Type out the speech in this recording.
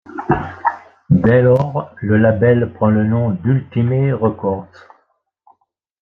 Dès lors, le label prend le nom d'Ultimae Records.